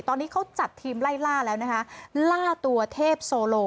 ตอนนี้เขาจัดทีมไล่ล่าแล้วนะคะล่าตัวเทพโซโล